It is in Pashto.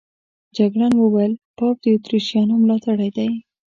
جګړن وویل پاپ د اتریشیانو ملاتړی دی.